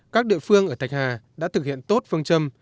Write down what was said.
các địa phương ở thạch hà đã thực hiện tốt phương châm